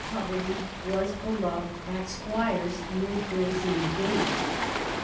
Coverley was beloved at Squire's, near Gray's Inn Gate.